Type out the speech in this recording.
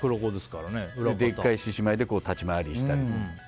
１回、獅子舞で立ち回りしたり。